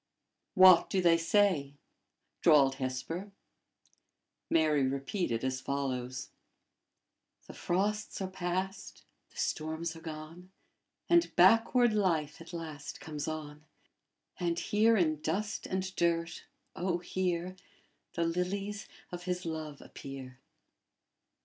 "What do they say?" drawled Hesper. Mary repeated as follows: "'The frosts are past, the storms are gone, And backward life at last comes on. And here in dust and dirt, O here, The Lilies of His love appear!'"